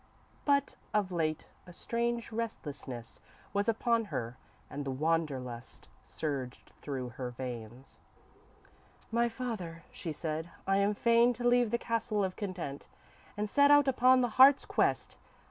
_ But, of late, a strange restlessness was upon her, and the wander lust surged through her veins. _"My father," she said, "I am fain to leave the Castle of Content, and set out upon the Heart's Quest.